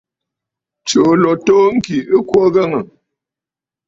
Tsùu ló too ŋkì ɨ kwo a aghəŋə̀.